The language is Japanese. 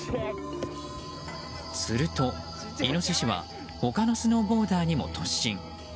すると、イノシシは他のスノーボーダーにも突進。